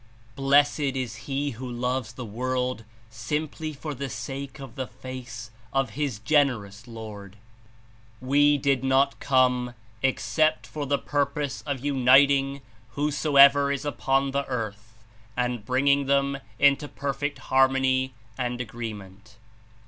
Blessed Is he who loves the world simply for the sake of the Face of his Generous Lord." 91 We did not come except for the purpose of unit ing whosoever is upon the earth and bringing them Into perfect harmony and agreement."